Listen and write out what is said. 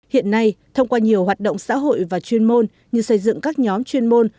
hiện nay thông qua nhiều hoạt động xã hội và chuyên môn như xây dựng các nhóm chuyên môn